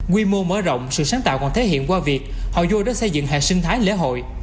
quy mô mở rộng sự sáng tạo còn thể hiện qua việc hòa dô đã xây dựng hệ sinh thái lễ hội